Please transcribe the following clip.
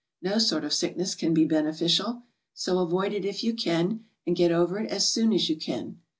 No sort of sickness can be beneficial. So avoid it if you can and get over it as soon as you can.